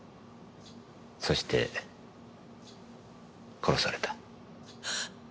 そして殺された。